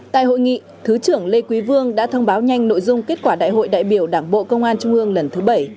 tại hội nghị thứ trưởng lê quý vương đã thông báo nhanh nội dung kết quả đại hội đại biểu đảng bộ công an trung ương lần thứ bảy